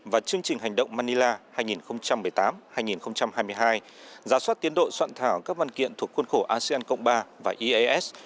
và chương trình hành động manila hai nghìn một mươi tám hai nghìn hai mươi hai giả soát tiến độ soạn thảo các văn kiện thuộc khuôn khổ asean cộng ba và eas